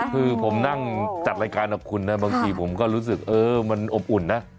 คือผมนั่งจัดรายการกับคุณนะบางทีผมก็รู้สึกเออมันอบอุ่นนะ